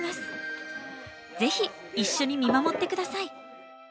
ぜひ一緒に見守って下さい。